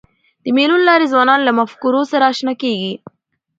د مېلو له لاري ځوانان له مفکورو سره اشنا کېږي.